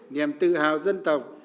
niềm tự hào dân tộc